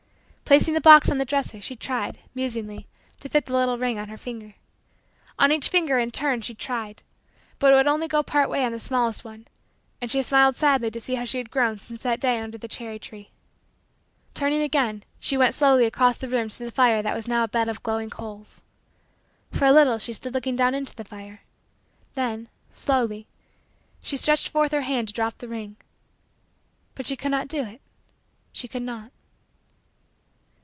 Placing the box on the dresser, she tried, musingly, to fit the little ring on her finger. On each finger in turn she tried, but it would go only part way on the smallest one; and she smiled sadly to see how she had grown since that day under the cherry tree. Turning again, she went slowly across the room to the fire that now was a bed of glowing coals. For a little she stood looking down into the fire. Then, slowly, she stretched forth her hand to drop the ring. But she could not do it. She could not.